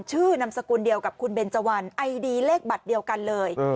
นามสกุลเดียวกับคุณเบนเจวันไอดีเลขบัตรเดียวกันเลย